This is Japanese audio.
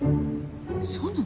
そうなの？